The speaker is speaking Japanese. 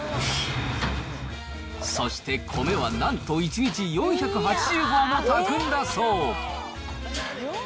そして、米はなんと１日４８０合も炊くんだそう。